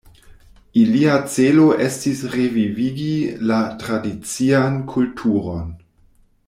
Ilia celo estis revivigi la tradician kulturon.